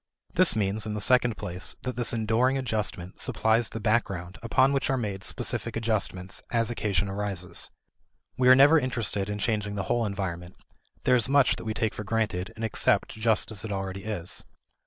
This means, in the second place, that this enduring adjustment supplies the background upon which are made specific adjustments, as occasion arises. We are never interested in changing the whole environment; there is much that we take for granted and accept just as it already is.